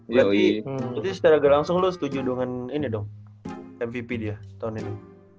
berarti setara gelangsung lu setuju dengan ini dong mvp dia tahun ini